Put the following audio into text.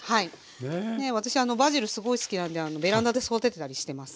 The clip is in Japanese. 私バジルすごい好きなのでベランダで育ててたりしてます。